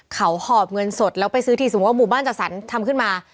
เขาหอบเงินสดแล้วไปซื้อทีสมมุติว่าหมู่บ้านจัดสรรทำขึ้นมา